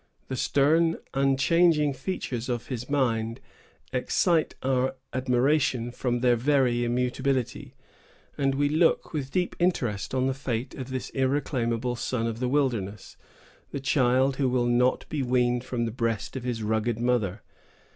The stern, unchanging features of his mind excite our admiration from their very immutability; and we look with deep interest on the fate of this irreclaimable son of the wilderness, the child who will not be weaned from the breast of his rugged mother.